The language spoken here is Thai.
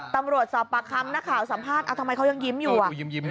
ตำรวจสอบปากคำนักข่าวสัมภาษณ์เอาทำไมเขายังยิ้มอยู่อ่ะ